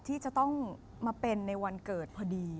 ที่จะต้องมาเป็นในวันเกิดพอดี